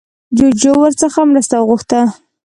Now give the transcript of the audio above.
جوجو ورڅخه مرسته وغوښته